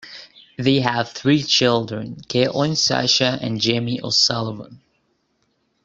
They have three children, Caitlin, Sascha and Jamie O'Sullivan.